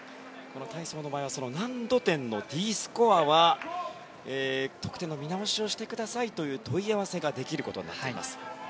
体操の場合は難度点のＤスコアは得点の見直しをしてくださいという問い合わせができます。